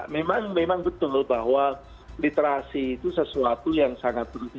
memang betul bahwa literasi itu sesuatu yang sangat penting